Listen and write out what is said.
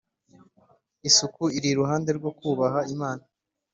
isuku iri iruhande rwo kubaha imana